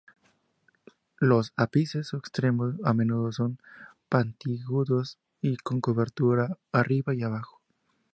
Los ápices o extremos a menudo son puntiagudos y con curvatura arriba o abajo.